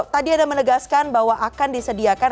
tadi ada menegaskan bahwa akan disediakan